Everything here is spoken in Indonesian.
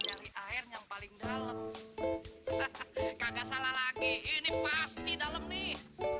airnya paling dalam kagak salah lagi ini pasti dalam nih